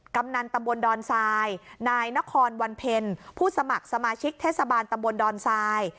กำนันตำบลดอนทรายนายนครวันเพ็ญผู้สมัครสมาชิกเทศบาลตำบลดอนทราย